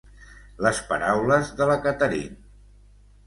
Les paraules de la Catherine.